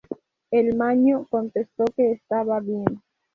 El "Maño" contestó que estaba bien.